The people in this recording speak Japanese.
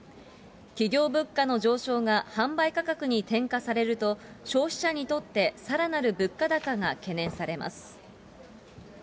企業物価の上昇が販売価格に転嫁されると、消費者にとってさらなる物価高が懸念されます。